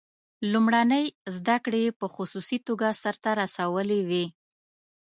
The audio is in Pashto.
لومړنۍ زده کړې یې په خصوصي توګه سرته رسولې وې.